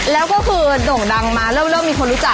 แล้วก็คือโด่งดังมาเริ่มมีคนรู้จัก